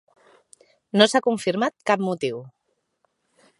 No s'ha confirmat cap motiu.